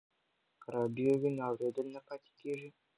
که راډیو وي نو اورېدل نه پاتې کیږي.